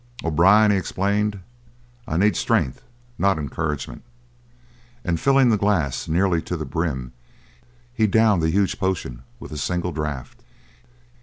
"O'Brien," he explained, "I need strength, not encouragement." And filling the glass nearly to the brim he downed the huge potion at a single draught.